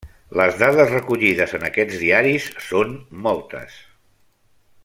Les dades recollides en aquests diaris són moltes.